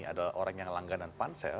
adalah orang yang langganan pansel